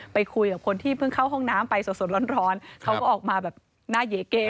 ไปคุยกับคนที่เพิ่งเข้าห้องน้ำไปสดร้อนเขาก็ออกมาแบบหน้าเยเก